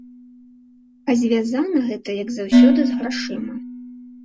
А звязана гэта, як заўсёды, з грашыма.